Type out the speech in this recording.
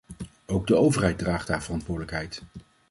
Ook de overheid draagt haar verantwoordelijkheid.